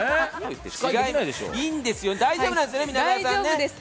いいんですよ、大丈夫なんですよ。